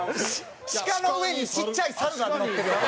鹿の上にちっちゃい猿が乗ってるやつ。